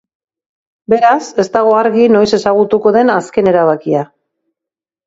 Beraz, ez dago argi noiz ezagutuko den azken erabakia.